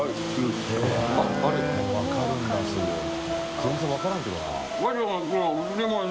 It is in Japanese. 全然分からんけどな。